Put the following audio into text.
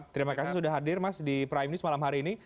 terima kasih sudah hadir mas di prime news malam hari ini